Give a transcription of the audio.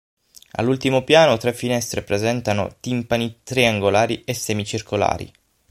All'ultimo piano tre finestre presentato timpani triangolari e semicircolari.